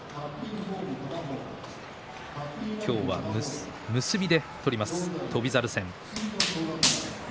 今日は結びで取ります、翔猿戦。